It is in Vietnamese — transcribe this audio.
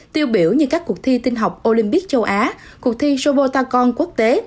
tiêu biểu như các cuộc thi tinh học olympic châu á cuộc thi sobotacon quốc tế